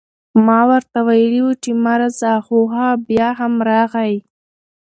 ما ورته وئيلي وو چې مه راځه، خو هغه بيا هم راغی